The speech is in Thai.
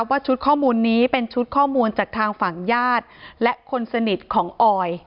ว่าชุดข้อมูลนี้เป็นชุดข้อมูลจากทางฝั่งญาติและคนสนิทของออย